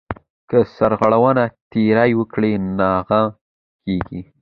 که سرغړونه ترې وکړې ناغه کېږې .